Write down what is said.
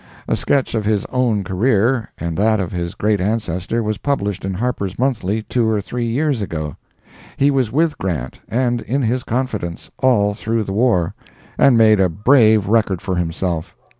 A sketch of his own career and that of his great ancestor was published in Harper's Monthly two or three years ago. He was with Grant, and in his confidence, all through the war, and made a brave record for himself.